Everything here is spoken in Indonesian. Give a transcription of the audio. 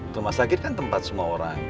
rumah sakit kan tempat semua orang